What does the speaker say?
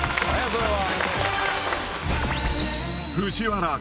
それは。